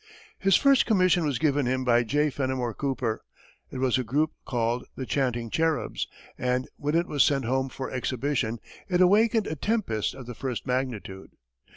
His first commission was given him by J. Fenimore Cooper. It was a group called the "Chanting Cherubs," and when it was sent home for exhibition, it awakened a tempest of the first magnitude.